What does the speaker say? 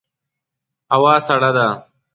هوا سړه ده